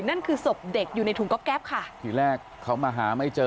นั่นคือศพเด็กอยู่ในถุงก๊อบแป๊บค่ะทีแรกเขามาหาไม่เจอ